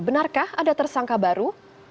benarkah ada tersangka baru